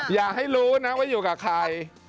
อย่าให้รู้นะว่าอยู่กับใคร